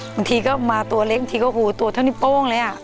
บางทีก็มาตัวเล็กทีก็คือตัวเท่านี้โป้งเลยอ่ะ